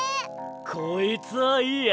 こいつはいいや。